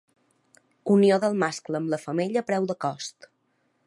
Unió del mascle amb la femella a preu de cost.